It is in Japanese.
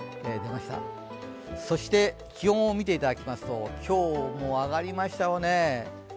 そして気温を見ていただきますと今日も上がりましたよね。